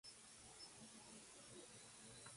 Su estilo estaba inspirado en el jazz y el blues.